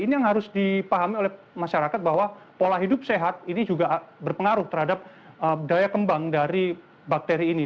ini yang harus dipahami oleh masyarakat bahwa pola hidup sehat ini juga berpengaruh terhadap daya kembang dari bakteri ini